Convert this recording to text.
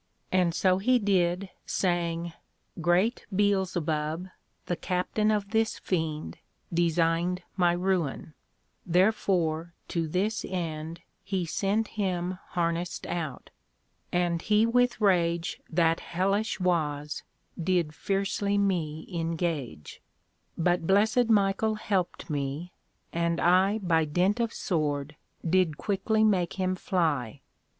And so he did, saying, Great Beelzebub, the Captain of this Fiend, Design'd my ruin; therefore to this end He sent him harness'd out: and he with rage That hellish was, did fiercely me engage: But blessed Michael helped me, and I By dint of Sword did quickly make him fly.